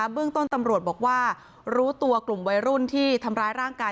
เบื้องต้นตำรวจบอกว่ารู้ตัวกลุ่มวัยรุ่นที่ทำร้ายร่างกาย